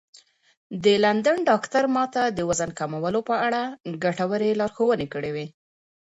د لندن ډاکتر ما ته د وزن کمولو په اړه ګټورې لارښوونې کړې وې.